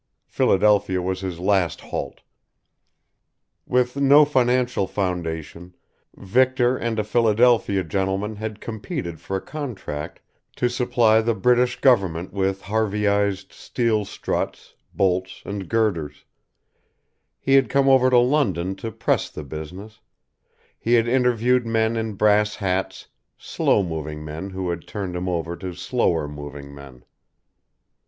Philadelphia was his last halt. With no financial foundation, Victor and a Philadelphia gentleman had competed for a contract to supply the British Government with Harveyised steel struts, bolts, and girders; he had come over to London to press the business; he had interviewed men in brass hats, slow moving men who had turned him over to slower moving men.